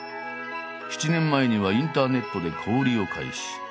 ７年前にはインターネットで小売りを開始。